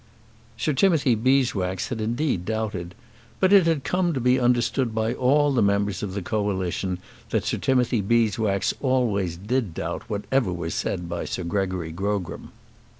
Sir Timothy Beeswax had indeed doubted, but it had come to be understood by all the members of the Coalition that Sir Timothy Beeswax always did doubt whatever was said by Sir Gregory Grogram.